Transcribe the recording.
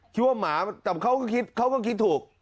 คิดว่าหมาแต่เขาก็คิดถูก